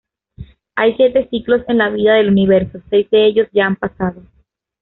Hay siete ciclos en la vida del universo, seis de ellos ya han pasado.